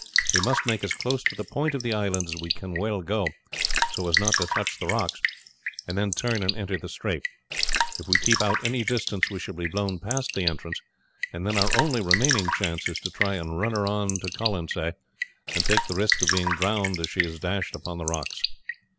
We must make as close to the point of the island as we can well go, so as not to touch the rocks, and then turn and enter the strait. If we keep out any distance we shall be blown past the entrance, and then our only remaining chance is to try and run her on to Colonsay, and take the risk of being drowned as she is dashed upon the rocks."